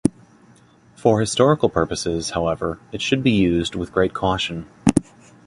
For historical purposes, however, it should be used with great caution.